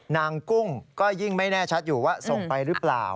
กุ้งก็ยิ่งไม่แน่ชัดอยู่ว่าส่งไปหรือเปล่า